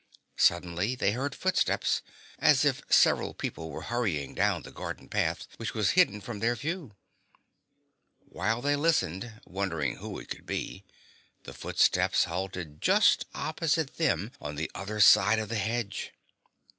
Suddenly they heard footsteps, as if several people were hurrying down the garden path which was hidden from their view. While they listened, wondering who it could be, the footsteps halted just opposite them on the other side of the hedge.